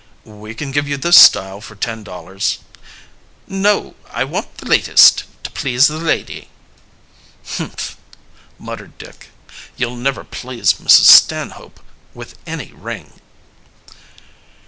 "We can give you this style for ten dollars." "No, I want the latest to please the lady." "Humph!" muttered Dick. "You'll never please Mrs. Stanhope with any ring."